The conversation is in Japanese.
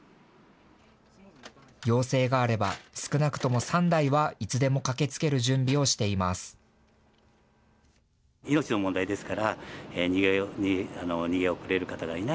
要請があれば少なくとも３台はいつでも駆けつける準備をしています。